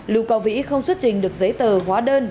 lưu cao vĩ không xuất trình được giấy tờ hóa đơn